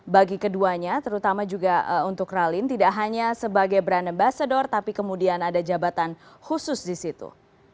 bagi keduanya terutama juga untuk ralin tidak hanya sebagai brand ambassador tapi kemudian ada jabatan khusus di situ